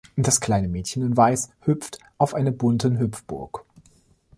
Das kleine Mädchen in Weiß hüpft auf einer bunten Hüpfburg.